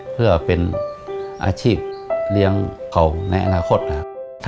เพื่อเป็นอาชีพเลี้ยงเขาในอนาคตนะครับ